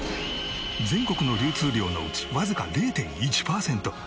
全国の流通量のうちわずか０．１パーセント。